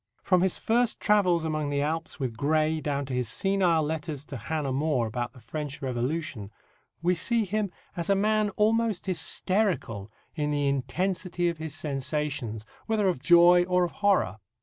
From his first travels among the Alps with Gray down to his senile letters to Hannah More about the French Revolution, we see him as a man almost hysterical in the intensity of his sensations, whether of joy or of horror.